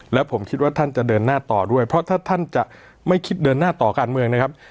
แล้วผมคิดว่าท่านจะเดินหน้าต่อด้วยเพราะถ้าท่านจะไม่คิดเดินหน้าต่อการเมืองนะครับ